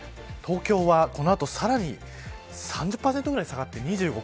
東京は、この後さらに３０％ぐらい下がって２５％。